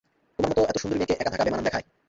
তোমার মতো এতো সুন্দরী মেয়েকে একা থাকা বেমানান দেখায়।